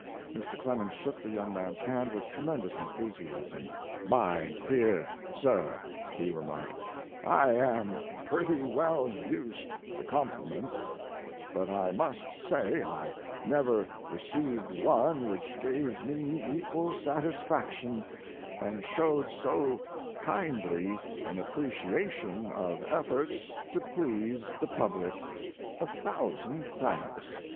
Mr. Clemens shook the young man s hand with tremendous enthusiasm. "My dear sir," he remarked, "I am pretty well used to complements, but I must say I never received one which gave me equal satisfaction, and showed so 156 Mark Twain kindly an appreciation of efforts to please the public. A thousand thanks."